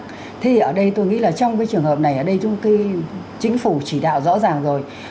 thế thì ở đây tôi nghĩ trong trường hợp này chính phủ chỉ đạo rõ ràng rồi